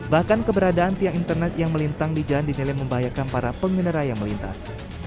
bahkan keberadaan tiang internet yang melintang di jalan dinilai membahayakan para pengendara yang melintas